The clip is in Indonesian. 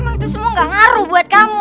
emang itu semua gak ngaruh buat kamu